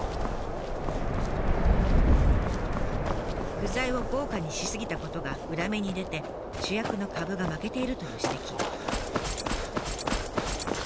具材を豪華にし過ぎたことが裏目に出て主役のかぶが負けているという指摘。